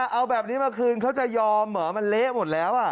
เอาแบบนี้มาคืนเขาจะยอมเหรอมันเละหมดแล้ว